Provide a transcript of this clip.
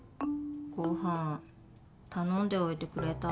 ご飯頼んでおいてくれた？